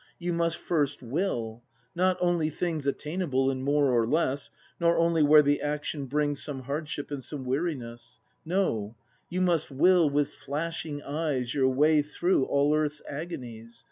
You must first will! Not only things Attainable, in more or less, Nor only where the action brings Some hardship and some weariness; No, you must will with flashing eyes Your way through all earth's agonies.